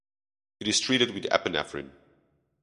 It is treated with epinephrine.